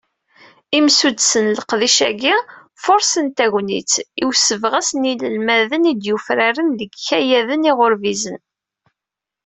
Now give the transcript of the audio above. Imsuddsen n leqdic-agi, furṣen tagnit, i usebɣes n yinelmaden i d-yufraren deg yikayaden iɣurbizen.